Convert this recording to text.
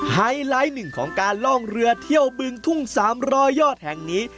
ไฮไลท์หนึ่งของการล่องเรือเที่ยวบึงทุ่ง๓๐๐ยอดแห่งนี้